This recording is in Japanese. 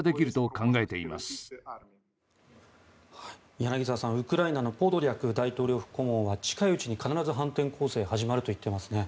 柳澤さん、ウクライナのポドリャク大統領府顧問は近いうちに必ず反転攻勢が始まると言ってますね。